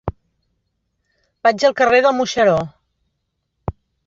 Vaig al carrer del Moixeró.